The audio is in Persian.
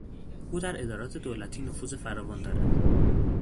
او در ادارات دولتی نفوذ فراوان دارد.